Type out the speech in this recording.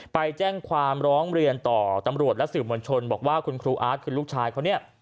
ไปแจ้งความร้องเรียนต่อตำรวจและสื่อมวลชนบอกว่าคุณครูอาร์ตคือลูกชายเขาเนี่ย